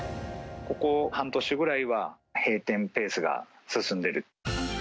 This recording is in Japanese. ここ半年ぐらいは、閉店ペースが進んでる。